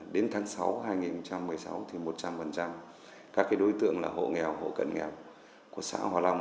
đến tháng sáu năm hai nghìn một mươi sáu một trăm linh các đối tượng hộ nghèo hộ cận nghèo của xã hòa long